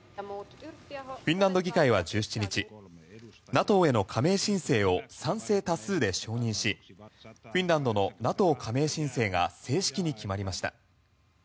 フィンランド議会は１７日ＮＡＴＯへの加盟申請を賛成多数で承認しフィンランドのＮＡＴＯ加盟申請が正式に決まりました。